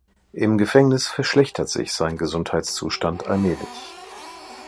Im Gefängnis verschlechtert sich sein Gesundheitszustand allmählich.